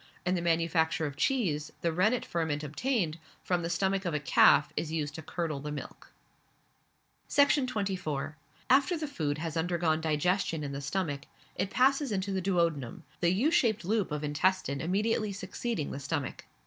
In the manufacture of cheese, the rennetferment obtained, from the stomach of a calf is used to curdle the milk. Section 24. After the food has undergone digestion in the stomach it passes into the duodenum, the U shaped loop of intestine immediately succeeding the stomach.